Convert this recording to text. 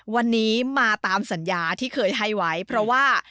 วันนี้มาตามสัญญาที่เคยให้ไว้เพราะว่า